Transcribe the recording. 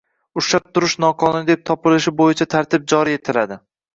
ushlab turish noqonuniy deb topilishi bo‘yicha tartib joriy etiladi.